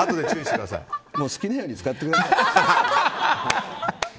好きなように使ってください。